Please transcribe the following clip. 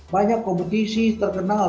banyak kompetisi terkenal